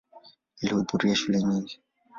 Alihudhuria shule nyingi.